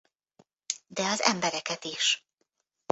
De az embereket is.